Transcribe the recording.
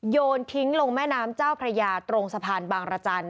โยนทิ้งลงแม่น้ำเจ้าพระยาตรงสะพานบางรจันทร์